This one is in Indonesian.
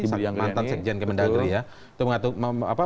yang mantan sekjen kementerian negeri ya